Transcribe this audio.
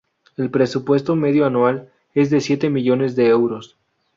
El presupuesto medio anual es de siete millones de euros.